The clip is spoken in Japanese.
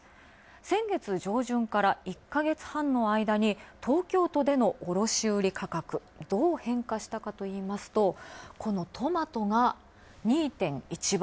先月上旬から１ヵ月半の間に東京都での卸売価格、どう変化したかといいますと、このトマトが２．１倍。